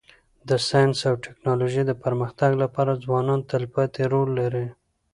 د ساینس او ټکنالوژی د پرمختګ لپاره ځوانان تلپاتي رول لري.